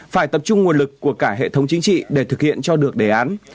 phải tập trung nguồn lực của cả hệ thống chính trị để thực hiện cho được đề án